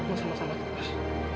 aku sama sama terus